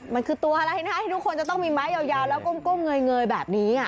มันคือตัวอะไรนะที่ทุกคนจะต้องมีไม้ยาวแล้วก้มเงยแบบนี้